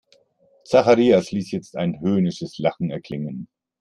Zacharias ließ jetzt ein höhnisches Lachen erklingen.